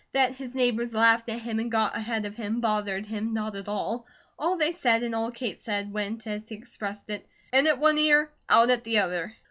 That his neighbours laughed at him and got ahead of him bothered him not at all. All they said and all Kate said, went, as he expressed it, "in at one ear, out at the other."